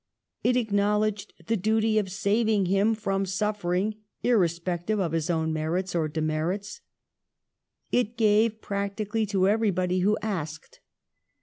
It acknowledged the duty of saving him from suffering irrespective of his own merits or demerits. It gave practically to everybody who asked.